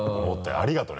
ありがとうね！